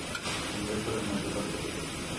আমরা এশহরের মেয়েদের তালিকা চেক করেছি।